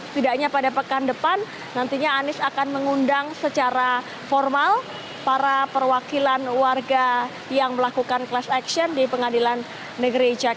tidak hanya pada pekan depan nantinya anies akan mengundang secara formal para perwakilan warga yang melakukan kelas aksen di pengadilan negeri jakarta pusat